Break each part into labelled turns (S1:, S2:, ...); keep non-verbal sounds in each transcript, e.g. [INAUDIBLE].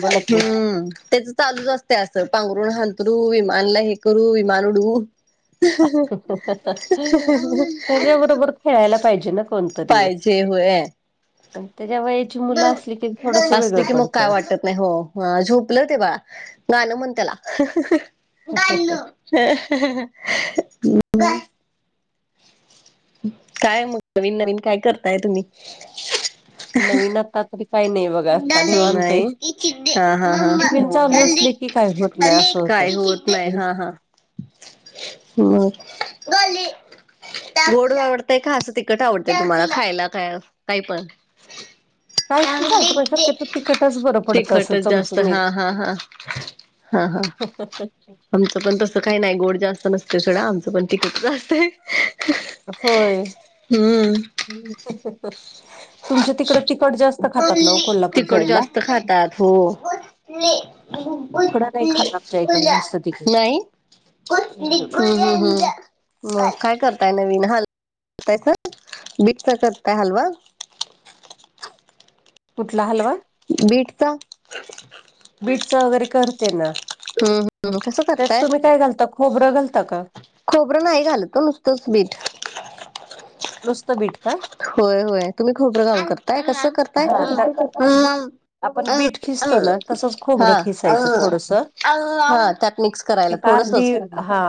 S1: बोला की
S2: तेच चालूच अस त अस पांघरण हांंतरू विमानला हे करू विमान उडवू.
S1: त्याच्याबरोबर खेळायला पाहिजे ना. कोणतरी
S2: पाहिजे होय.
S1: आणि त्याच्या वयाची मुलं असली की थोडस
S2: असली
S1: वेगळं
S2: की मग काय
S1: पडतय.
S2: वाटत नाही हो झोपलं ते बाळा गान म्हण त्याला गान. [UNINTELLIGIBLE] काय. काय म नवीन नवीन काय करताय तुम्ही?
S1: नवीन आता तरी काही नाही. बघा आता निवांत आहे
S2: नाही हा हा हा.
S1: टिफिन चालू असले की काय होत नाही असं
S2: काय
S1: होतं
S2: होत नाही हा हा. गोड आवडतय का असं तीखट आवडतय तुम्हाला खायला का काही पण?
S1: काय पण चालत म सत्या तर तिकटच बरं पडतं असं
S2: तिखटच जास्त हा
S1: चमचमीत.
S2: हा हा हा हा
S1: [UNINTELLIGIBLE]
S2: आमचं पण तसं काही नाही गोड जास्त नसत सोडा आमचं पण तिकटचं असतय.
S1: होय. तुमच्या तिकड तिकट जास्त खातात ना ओ कोल्हापूर
S2: तिखट
S1: साईडला.
S2: जास्त खातात हो नाही.
S1: इकडं नाही खात आमच्या इकडं जास्त तिखट
S2: [UNINTELLIGIBLE] नाही कसली हम्म हम्म मग काय करताय नवीन हा करतयसा बीटचं कारताय हलवा?
S1: कुठला हालवा?
S2: बीटचा.
S1: बीटच वगैरे करते ना,
S2: हम्म हम्म कसं
S1: त्यात
S2: करताय
S1: तुम्ही काय घालता खोबरं घालता का?
S2: खोबरं नाही घालत ओ नुसतच बीट.
S1: नुसत बीट का?
S2: होय होय तुम्ही खोबरं घालून करताय कसं
S1: हा [UNINTELLIGIBLE]
S2: करताय
S1: आपण
S2: अ
S1: बीट
S2: अ
S1: खिसतो ना तसंच
S2: हा
S1: खोबरं
S2: अ
S1: खिसायचं थोडस.
S2: हा त्यात मिक्स करायला
S1: एक अर्धी
S2: थोडसच
S1: हा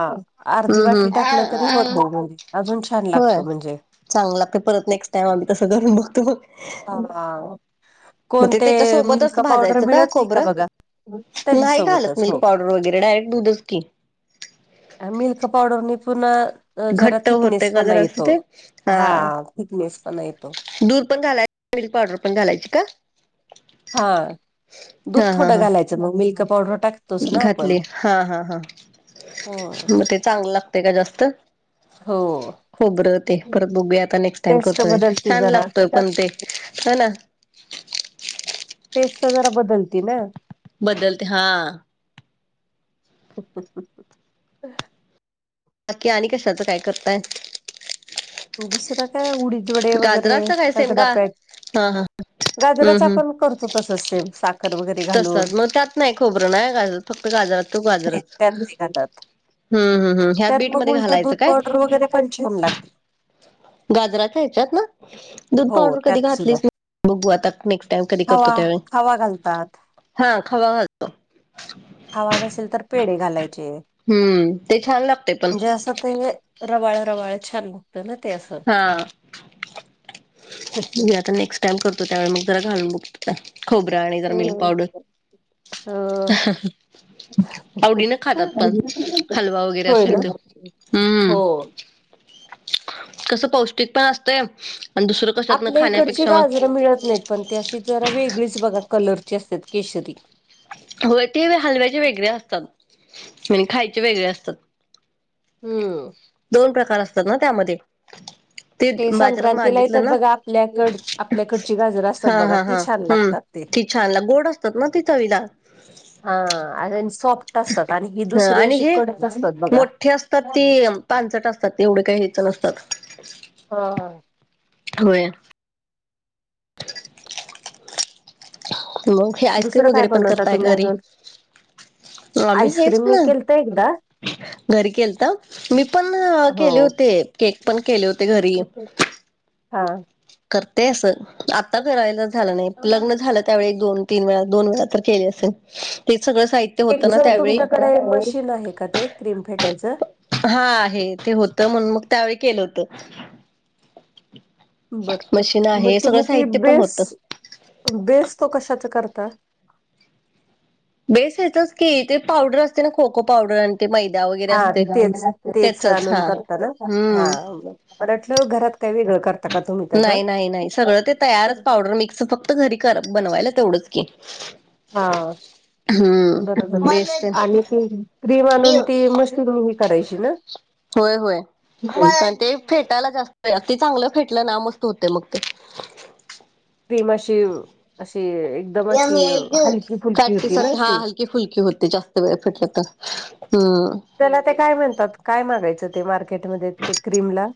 S1: अर्धी
S2: हम्म
S1: वाटी टाकलं तरी
S2: हम्म
S1: होतय. अजून छान लागतं म्हणजे.
S2: चांगल लागत परत नेक्स्ट टाइम आम्ही तसं करून बघतो.
S1: हा.
S2: मग ते
S1: कोणते
S2: त्याच्या
S1: मिल्क
S2: सोबतच
S1: पावडर
S2: भाजायचं का
S1: मिळत नाही
S2: खोबरं
S1: बघा
S2: नाही घालत
S1: त्याच्यासोबतच
S2: मिल्क
S1: हो
S2: पावडर वगैरे डायरेक्ट दुधचं कि.
S1: मिल्क पावडर नी पुन जरा
S2: घट्ट होते
S1: थिकनेस
S2: का
S1: पण
S2: जरा असं
S1: येतो
S2: ते
S1: हा थिकनेस पण येतो.
S2: दूध पण घालायच मिल्क पावडर पण घालायची का.
S1: हा दूध
S2: हा हा
S1: थोडं
S2: हा
S1: घालायचं मग मिल्क पावडर टाकतोच ना आपण
S2: घातली हा हा हा
S1: हो
S2: मग ते चांगल लागत का जास्त
S1: हो.
S2: खबरं ते परत बगुऊया आता नेक्स्ट टाइम
S1: टेस्ट
S2: करतोय
S1: बदलती
S2: छान
S1: जरा
S2: लागतोय पण ते हो ना.
S1: टेस्ट जरा बदलती ना.
S2: बदलते हा.
S1: अच
S2: बाकी आणि कशाचं काय करताय.
S1: दुसरं काय उडीद वडे वगैरे
S2: गाजराच काय सेम का हा हा
S1: रगडापॅटी गाजराच
S2: हम्म हम्म
S1: आपण करतो तस सेम साखर वगैरे घालून.
S2: तसच मग त्यात नाही खोबरं नाही गाजर फक्त गाजरात तू गाजरच.
S1: त्यात नाही घालत
S2: हम्म हम्म हम् ह्या
S1: त्यात
S2: बीट
S1: मग
S2: मध्ये
S1: उलट
S2: घालायचं
S1: दूध
S2: काय.
S1: पावडर वगैरे पण छान लागते
S2: गाजराच्या ह्याच्यात ना दूध
S1: हो
S2: पावडर कधी
S1: त्यात सुद्धा
S2: घातलीच नाही. बघू आता नेक्स्ट टाइम कधी करतो
S1: खावा
S2: त्यावैळी
S1: खावा घालतात
S2: हा खावा घालतो.
S1: खावा नसेल तर पेढ घालायचे
S2: हम्म ते छान लागते पण
S1: म्हणजे अस ते रवाळ रवाळ छान लागतं ना ते असं
S2: हा याता नेक्स्ट. करतो त्या मग जरा घालून बघतो खोबरा आणि जरा मिल्क पावडर.
S1: हम.
S2: [UNINTELLIGIBLE] आवडीनं खातात पण हलवा वगैरे
S1: होय ना
S2: असेल तो
S1: हो.
S2: कस पौष्टिक पण असतय आणि दुसरं कशातन
S1: आपल्या इकडची
S2: खाण्यापेक्षा मग
S1: गाजरं मिळत नाहीत पण ते अशी जरा वेगळीच बघा कलरची असतात केशरी
S2: हो ते हलवायचे वेगळे असतात खायचे वेगळे असतात.
S1: हम्म.
S2: दोन प्रकार असतात ना त्यामध्ये. ते बाजारात
S1: संक्रांतीला येतात
S2: मागितलं ना
S1: बघा आपल्याकड आपल्याकडची गाजर असतात
S2: हा
S1: बघा
S2: हा
S1: ती
S2: हा
S1: छान
S2: हम्म.
S1: लागतात ते
S2: ति छान ला गोड असतात ना ति चवीला.
S1: हा सॉफ्ट असतात आणि ही
S2: ह
S1: दुसरी
S2: आणि
S1: अशी
S2: हे
S1: कडक असतात बघा.
S2: पानसट असतात तेवढं काही ह्यायच नसतात.
S1: हा हा.
S2: होय. मग हे आईस्क्रीम
S1: दुसरं काय
S2: वगैरे पण
S1: बनवता
S2: करताय
S1: तुम्ही
S2: घरी.
S1: अजून
S2: वामही हेच
S1: आईस्क्रीम मी
S2: ना.
S1: केलत एकदा
S2: घरी केलत मी पण
S1: हो
S2: केले होते केक पण केले होते घरी
S1: हा.
S2: करते असं आता करायला झालं नाही लग्न झालं त्यावेळी एक दोन तीन वेळा दोन वेळा तर केले असेल. तेच सगळं साहित.
S1: एक ज तुमच्याकडे मशीन आहे का ते क्रीम फेटायचं
S2: हा आहे ते होतं म्हण मग त्यावेळी केलं होत
S1: बर बर
S2: मशीन
S1: मग
S2: आहे सगळं
S1: तुम्ही ती
S2: साहित्य पण
S1: बेस
S2: होतं
S1: बेस तो कशाचा करता
S2: बेस येतोच की ते पावडर असते ना को को पावडर ते मैदा वैगरे.
S1: हा तेच तेच आणुन करतना हा
S2: हम्म
S1: मला वाटलं घरात काही वेगळं कर
S2: नाही नाही नाही सगळं ते तयारच पावडर मिक्स फक्त घरी कर बनवायला तेवढंच की
S1: हा बरोबर
S2: हम्म
S1: आहे
S2: बेस
S1: आणि ती क्रीम आणून
S2: तेन
S1: ती मशीन ही करायची ना.
S2: होय होय आणि ते फेटायला जास्तग चांगलं फेटलं ना मस्त होते मग ते.
S1: ती मशी अशी एकदम अशी हलकी. फुलकी
S2: साट
S1: होती
S2: सा
S1: ना
S2: हा
S1: अशी
S2: हलके फुलकीे होते जास्त वेळ फट तर हम्
S1: त्याला ते काय म्हणतात काय मागायचं ते मार्केटमध्ये ते क्रीम ला.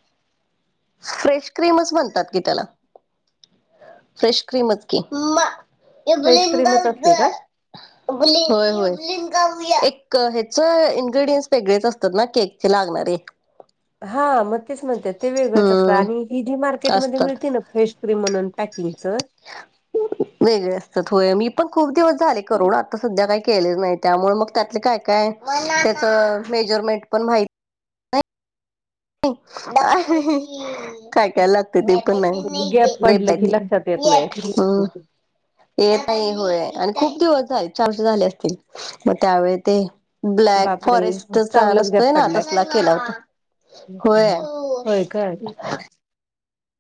S2: फ्रेश क्रीमच म्हणतात की त्याला फ्रेश क्रिम कि [INAUDIBLE]
S1: फ्रेश क्रीमच असते का
S2: होय होय एक ह्याच इन्ग्रेडियंट्स वेगळेच असतात ना केकचे लागणारे-
S1: हा मग तेच म्हणतात ते वेगळंच असतं
S2: हम्म
S1: आणि हि जी मार्केटमध्ये
S2: असतात
S1: मिळती ना फेश क्रीम म्हणून पॅकिंगचं
S2: वेगळे असतात होय मी पण खुप दिवस झाले करून आता सध्या काही नाही त्यामुळे मग त्यात काय काय त्या मेजरमेंट पण माहित [INAUDIBLE] काय काय लागते ते पण नाही
S1: गॅप
S2: रेप
S1: पडलं की लक्षात येत नाही.
S2: ह येत नाही होय आणि खूप दिवस झाले चारशे झाले असतील मग त्यावेळी ते ब्लॅक
S1: बापरे
S2: फॉरेस्ट ण
S1: चांगलाच गॅप
S2: असतोय ना
S1: पडलाय.
S2: तसला केला होता. होय
S1: होय काय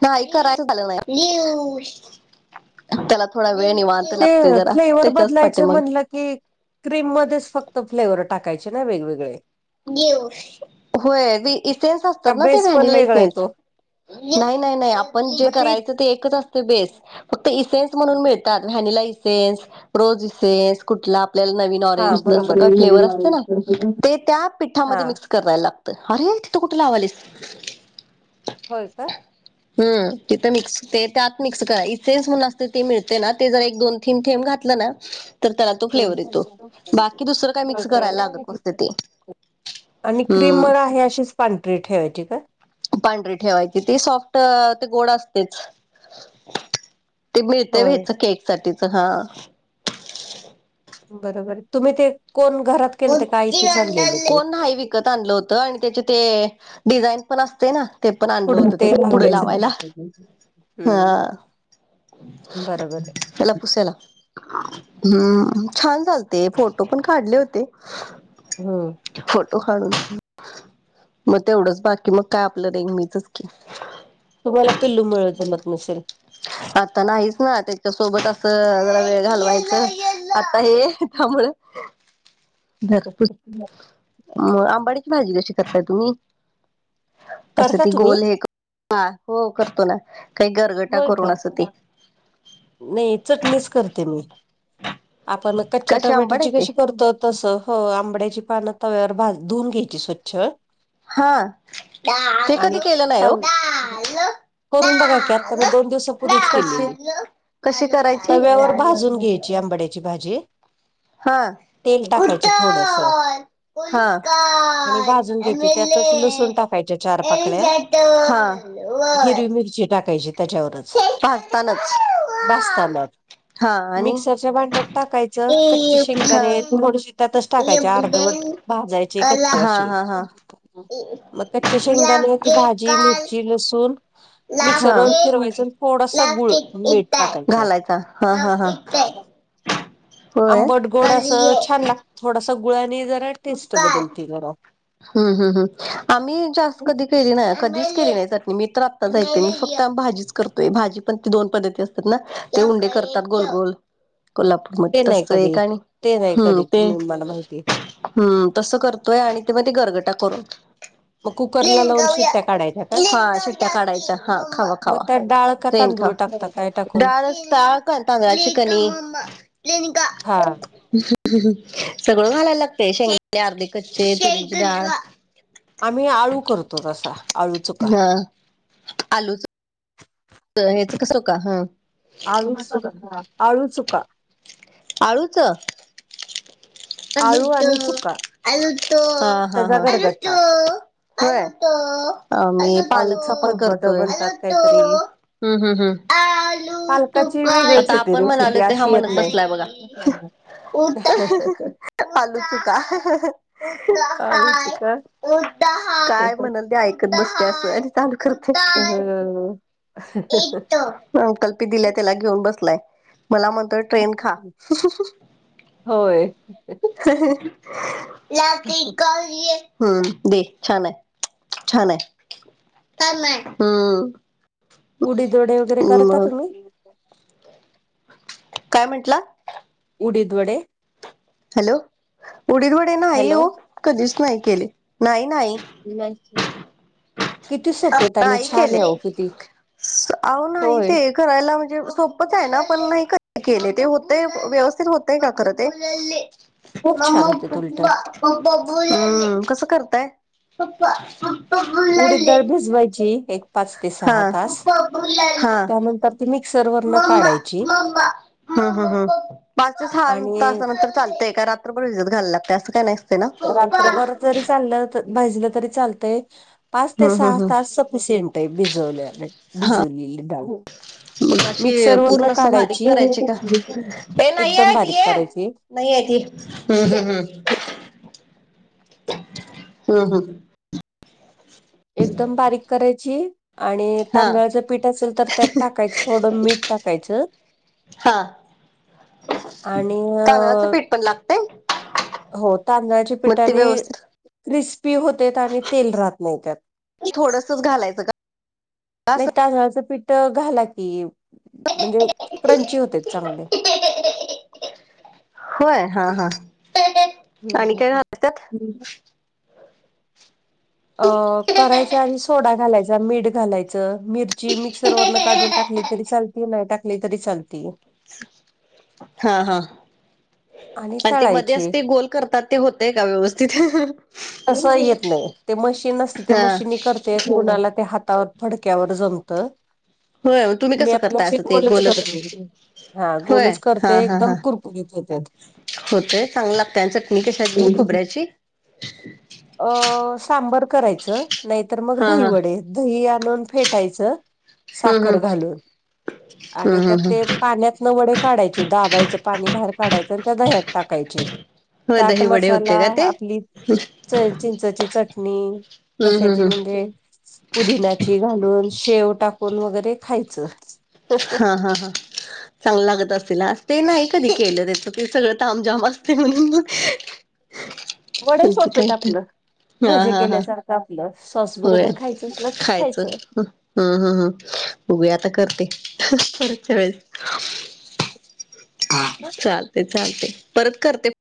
S2: नाही करायच झालं नाही त्याला थोडा वेळ निवांत
S1: ते
S2: लागतोय जरा
S1: फ्लेवर
S2: त्याच्याच पाठी
S1: बदलायचे
S2: मग
S1: म्हणल की की क्रीम मध्येच फक्त फ्लेवर टाकायचे ना वेगवेगळे
S2: होय इसेन्स असतात
S1: का
S2: ना ते
S1: बेस पण
S2: व्हॅनीला
S1: वेगळा
S2: इसेन्स
S1: येतो.
S2: नाही नाही नाही आपण जे करायचं ते एकच ते बेस्ट फक्त इसेन्स म्हणून मिळतात व्हॅनीला इसेन्स रोजस कुठ आपल्याला नवीन
S1: हा
S2: ऑरेंज अस
S1: बरोबर
S2: का फ्लेवर असते ना ते त्या
S1: हा
S2: पिठामध्ये मिक्स करायला लागतं अरे तिथं कुठे लावालेस
S1: होय का
S2: हम तिथं मिक्स ते त्यात मिक्स करा इसेन्स म्हणून असते ते मिळते ना ते जर एक दोन थेंब थेंब घातलं ना तर त्याला तो फ्लेवर
S1: हम्म.
S2: येतो बाकी दुसरं काय मिक्स करायला लागत नसते ते
S1: आणि क्रीम
S2: हम्म
S1: मला आहे अशीच पांढरी ठेवायची का
S2: पांढरी ठेवायची ते सॉफ्ट ते गोड असतेच ते मिळते
S1: होय
S2: ह्याच केक साठीच हा
S1: बरोबर तुम्ही ते कोण घरात केल ते का आयतेच आणलेलं ते
S2: कोण नाही विकत आणलं होत आणि त्याचे ते डिझाईन पण असते ना ते पण आणलं
S1: पुढं
S2: होत ते पुढं लावायला
S1: लावायचं.
S2: हा
S1: हम्म बरोबर
S2: त्याला
S1: आहे
S2: पुसायला हम्म छान झालते फोटो पण काढले होते
S1: हम्म
S2: फोटो काढुन मग तेवढंच बाकी मग काय आपलं नेहमीचं की
S1: तुम्हाला पिल्लू मुळे जमत नसेल
S2: आता नाहीच ना त्याच्या सोबत असं जरा वेळ घालवायचं आता हे त्यामुळे आंबाडीची भाजी कशी कराताय तुम्ही असं
S1: करता
S2: ती
S1: तुम्ही?
S2: गोल हे हो करतो ना काही गरगटा
S1: होय
S2: करून
S1: का?
S2: असं ती
S1: नाही चटणीच करते मी आपण मग कच्च्या
S2: कसे
S1: टोमॅटोची
S2: आंबाड्याचे
S1: कशी करतो तस हो आंबड्याची पानं तव्यावर धुवून घ्यायची स्वच्छ
S2: हा ते कधी
S1: आणि
S2: केलं नाही हो.
S1: तव करून बघा की आता मी दोन दिवसापूर्वीच
S2: कशी
S1: केलेली,
S2: कशी करायची
S1: तव्यावर भाजून घे. आंबड्याची भाजी
S2: हा
S1: तेल टाकायच थोडस.
S2: कुठं
S1: आणि भाजून घ्यायची, त्यातच लसूण टाकायच्या चार पाकळ्याऽ हिरवी मिरची टाकायची त्याच्यावरचऽ
S2: भाजतानाच
S1: भाजतानाऽ
S2: हा आणि
S1: मिक्सरच्या भांड्यात टाकायचं, कच्ची शेंगदाणे थोडीशी त्यातच टाकायची अर्धवटऽ भाजायचे कच्चे
S2: हा
S1: असे.
S2: हा हा
S1: मग कच्च्या शेंगदाणे, ती भाजी, मिरची, लसूण
S2: ला ह.
S1: मिक्सरवर फिरवायचं थोडासा गुळ मीठ
S2: [UNINTELLIGIBLE]
S1: टाकायचं
S2: घालायचा हा ह, ह, होय.
S1: आंबट गोड असं छान थोडासा गुळ्याने जरा टेस्ट बदलते जरा.
S2: हम्, हम्, हम आम्ही जास्त कधी केली नाही,, कधीच केली नाही चटणी, मी तर आताच एकली मी फक्त भाजीचऽ करतोय भाजी पण ती दोन पद्धती असतात ना ते उंडे करतात गोलगोल कोल्हापुर ऽ मग
S1: ते
S2: तस
S1: नाही
S2: एक
S1: कधी
S2: आणि
S1: ते नाही
S2: हम्म
S1: कधी
S2: ते
S1: मी मला माहितीय
S2: हम्म तसं करतोय आणि ते म गरगटा करूनऽ
S1: मग कुकरला
S2: ट्रेन
S1: लावून
S2: खाऊया
S1: शिट्ट्या काढायच्या का
S2: हा शिट्ट्या काढायच्या हा खावा
S1: मग
S2: खावा
S1: त्यात डाळ का
S2: ट्रेन
S1: तांदूळ
S2: खावा
S1: टाकता काय टाकून
S2: डाळ आनी तांदळाची कनी
S1: हा
S2: [UNINTELLIGIBLE] सगळं घालायला लागतय, शेंगदाने अर्धे कच्चे, तुरीची डाळ
S1: आम्ही आळू करतो तसा. आळू
S2: हा आलूच - हा
S1: [INAUDIBLE] आळूच आळू चुकाऽ
S2: आळूच
S1: आळू
S2: आलुच
S1: आणि चुका
S2: आलूच हा हा
S1: त्याचा
S2: हा आलूच
S1: गरगट्टा
S2: होय अ मी
S1: आळूच
S2: पालकचा पण
S1: खतबत
S2: करतोय.
S1: बनतात काहीतरी
S2: हम् हम्
S1: पालकाची
S2: हम
S1: वेगळीच
S2: आता
S1: येते
S2: आपण
S1: रेसिपी
S2: म्हणालोय ते हा
S1: अशी येत
S2: म्हणत
S1: नाही.
S2: बसलाय बघा [UNINTELLIGIBLE] आलू च का? [UNINTELLIGIBLE]
S1: आळू
S2: हाय
S1: चुका
S2: काय म्हणल ते ऐका एकत बसतय अस आणि चालू करतोय.
S1: हमम [UNINTELLIGIBLE]
S2: अंकल्पी दिल्या त्याला घेऊन बसलाय,, मला म्हणतोय ट्रेन खा.
S1: होय
S2: [UNINTELLIGIBLE] हम्म दे छान आहे छान आहे छानाय हम्म,
S1: उडीदवडे वगैरे करता
S2: मग
S1: तुम्ही?
S2: काय म्हटला?
S1: उडीदवडे.
S2: हॅलो उडीदवडे नाही
S1: हॅलो
S2: हो कधीच नाही केले नाही नाही.
S1: [UNINTELLIGIBLE] किती सोपेेत आणि
S2: नाही
S1: छान
S2: केले.
S1: आहेव किती
S2: अहो नाही
S1: होय
S2: ते करायला म्हणजे सोपच आहे ना पण नाही केले ते होतय व्यवस्थित होतय का खरं ते
S1: खूप
S2: मम्मा
S1: छान होते उलट
S2: पप्पा पप्पा बोलयले हम कस करतय पप्पा प
S1: उडीद दाळ भिजवायची एक पाच ते
S2: हा
S1: सहा तास
S2: पप्पा बोलाले हा
S1: त्यानंतर ती मिक्सरवरऽ वरण काढायचीऽ
S2: मम्मा मम्मा पप्पा हम हम हम पाच ते सहा
S1: आणि
S2: तासानंतर चालतय काय रात्रभर भिजत घालायला लागतेय काय असं काय नाही
S1: रात्रभर जरी चाललं त भाजलं तरी चालतय पाच ते
S2: हम्म
S1: सहा
S2: हम्म हम्म
S1: तास सफिशियंट ते भिजवलेली
S2: हा
S1: भिजवलेली डाळ
S2: मग अशी
S1: मिक्सर वरन
S2: पूर्ण असं बारीक
S1: काढायची
S2: करायची का? ए नाही
S1: एकदम
S2: आहेत
S1: बारीक
S2: ये
S1: कढायची
S2: नाही आहे ती हम्म हम्म हम् हम् हम्म.
S1: एकदम बारीक करायची- आणि
S2: हा
S1: तांदळाचं पीठ असेल तर त्यात टाकायचं थोडं मीठ टाकायचं.
S2: हां.
S1: आणि
S2: तांदळाचं
S1: अऽऽ-
S2: पीठ पण लागतय?
S1: हो, तांदळाच्या पिठाने
S2: व्यवस्थित
S1: क्रिस्पी होतेत आणि तेल राहत नाही त्यात.
S2: थोडसच घालायचं का
S1: नाही तांदळाचं पीठ घाला की म्हणजे क्रंची होते चांगले
S2: होय हा हा
S1: हम्
S2: आणि काय घालतात
S1: [UNINTELLIGIBLE] अ करायच्या आणि सोडा घालायचा मीठ घालायचं मिरची मिक्सर वरन काढून टाकली तरी चालती नाही टाकली तरी चालती
S2: हा हा आणि ते मध्ये ते अस गोल करत्यात ते होतय का व्यवस्थित?
S1: असं येत नाही. ते मशीन असते त्या
S2: हा
S1: मशीनने कर- ते कोणाला ते हातावर फडक्यावर जमत.
S2: होय तुम्ही
S1: मी
S2: कसं
S1: आपले
S2: करताय
S1: असे
S2: असं ते
S1: गोलच करते. हा.
S2: होय
S1: गोलच
S2: हा
S1: करते
S2: हा
S1: एकदम
S2: हा
S1: कुर- [UNINTELLIGIBLE]
S2: होतय चांगलं लागतय आणि चटणी कशाची मग खोबऱ्याची?
S1: अ. सांबार करायचं नाहीतर मग
S2: हा
S1: दही
S2: हा
S1: वडे. दही आणून फेटायचं-
S2: हम्म
S1: साखर
S2: हम्म
S1: घालून
S2: हम्म
S1: आणि त्यात
S2: हम्म हम्म
S1: ते पाण्यात- न वडे काढायचे. दाबायचं पाणी बाहेर काढायचं आणि त्या दह्यात टाकायचे.
S2: होय
S1: चाट
S2: दही वडे
S1: मसाला
S2: होते का ते
S1: आपली- च चिंचेची चटणी.
S2: हम्म हम्म
S1: कशाची
S2: हम्म
S1: म्हणजे? पुदिन्याची घालून शेव टाकून वगैरे खायचं.
S2: हा हा हा. चांगल लागत असतीला. ते नाही कधी केलं त्याच ते सगळं तामझाम असते म्हणून. [INAUDIBLE]
S1: वडे
S2: काय
S1: सोपेेत आपलं.
S2: तर हा
S1: भजे
S2: हा हा
S1: केल्यासारखं आपलं सॉस
S2: होय
S1: बरोबर खायचं [UNINTELLIGIBLE]
S2: हम्म. हम् हम् बघू या आता करते. [UNINTELLIGIBLE] आ. चालते चालते. परत करते.